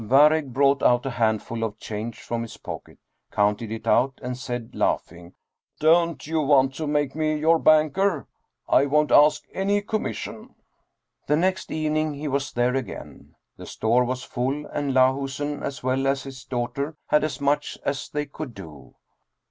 Waregg brought out a handful of change from his pocket, counted it out, and said, laughing, " Don't you want to make me your banker? I won't ask any commission." The next evening he was there again. The store was full, and Lahusen as well as his daughter had as much as they could do.